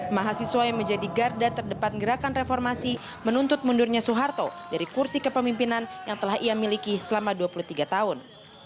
mahasiswa yang menjadi garda terdepan gerakan reformasi menuntut mundurnya soeharto dari kursi kepemimpinan yang telah ia miliki selama dua puluh tiga tahun